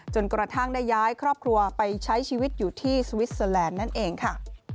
จนกระทั่งได้ย้ายครอบครัวไปใช้ชีวิตอยู่ที่สวิสเตอร์แลนด์นั่นเองค่ะ